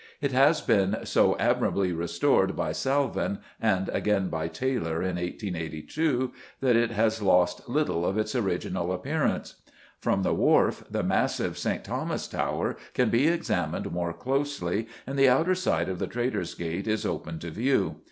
It has been so admirably restored, by Salvin, and again by Taylor in 1882, that it has lost little of its original appearance. From the Wharf the massive St. Thomas's Tower can be examined more closely and the outer side of the Traitor's Gate is open to view.